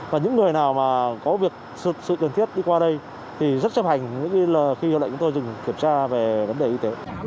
và những người nào mà có việc sự cần thiết đi qua đây thì rất chấp hành khi mà chúng tôi dừng kiểm tra về vấn đề y tế